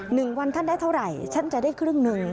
หนึ่งวันท่านได้เท่าไหร่ฉันจะได้ครึ่งหนึ่ง